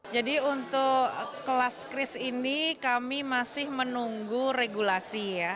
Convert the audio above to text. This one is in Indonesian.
jadi untuk kelas kris ini kami masih menunggu regulasi ya